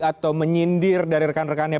atau menyindir dari rekan rekannya